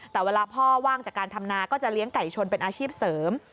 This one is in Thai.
แต่เวลาพ่อว่างจากการทำนาก็จะเลี้ยงไก่ชนเป็นอาชีพเสริม